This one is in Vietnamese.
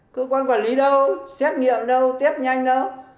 cơ quan quản lý đâu xét nghiệm đâu tiếp nhanh đâu